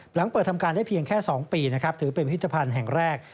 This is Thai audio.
หลังเปิดทำการได้เพียงแค่๒ปีนะครับถือเป็นพิพิธภัณฑ์แห่งแรก